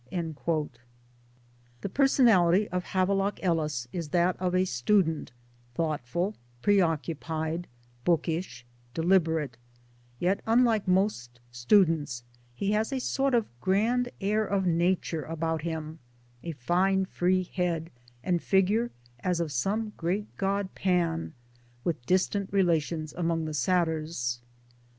The personality of Havelock Ellis is that of a student, thoughtful, preoccupied, bookish, de liberate ; yet unlike most students he has a sort of grand air of Nature about him a fine free head and figure as of some great god Pan, with distant relations among the Satyrs.